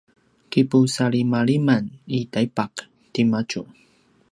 kipusalimaliman i taipaq timadju